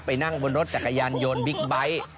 นั่งบนรถจักรยานยนต์บิ๊กไบท์